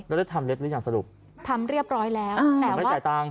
แล้วได้ทำเล็บหรือยังสรุปทำเรียบร้อยแล้วแต่ไม่จ่ายตังค์